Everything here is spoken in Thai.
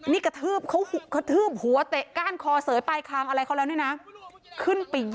นี่กระทืบเขากระทืบหัวเตะก้านคอเสยปลายคางอะไรเขาแล้วเนี่ยนะขึ้นไป